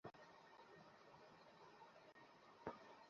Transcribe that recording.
রঙের ভেতর পিচ, নীলের বিভিন্ন শেড, হলুদ, কফি, খাকি রংগুলো ঘুরে-ফিরে আসবে।